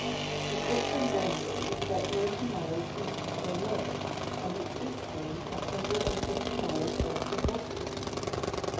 Its western boundary was about ninety miles east of Berlin, and its eastern a hundred and fifty miles west of Moscow.